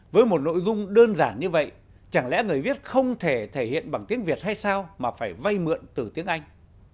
với một nội dung đơn giản như vậy chẳng lẽ người viết không thể thể hiện bằng tiếng việt hay sao mà phải vay mượn từ tiếng anh